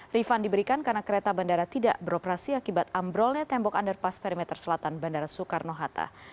refund diberikan karena kereta bandara tidak beroperasi akibat ambrolnya tembok underpass perimeter selatan bandara soekarno hatta